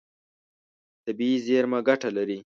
طبیعي زیرمه ګټه لري.